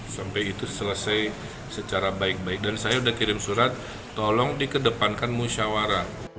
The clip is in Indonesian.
sampai itu selesai secara baik baik dan saya sudah kirim surat tolong dikedepankan musyawarah